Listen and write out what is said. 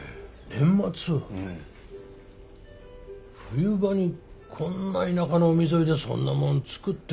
冬場にこんな田舎の海沿いでそんなもん作ってやっていけるがかえ？